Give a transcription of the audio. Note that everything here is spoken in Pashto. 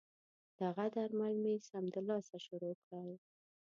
دغه درمل مې سمدلاسه شروع کړل.